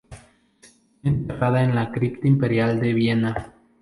Fue enterrada en la Cripta Imperial de Viena.